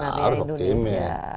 ya harus optimis ya